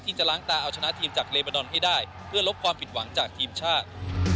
จะล้างตาเอาชนะทีมจากเลบานอนให้ได้เพื่อลบความผิดหวังจากทีมชาติ